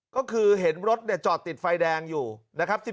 ก็คือเห็นรถจอดติดไฟแดงอยู่นะครับ